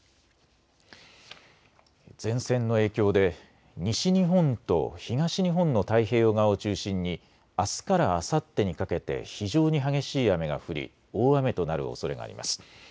前線の影響で西日本と東日本の太平洋側を中心にあすからあさってにかけて非常に激しい雨が降り大雨となるおそれがあります。